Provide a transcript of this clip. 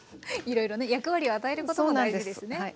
いろいろね役割を与えることも大事ですね。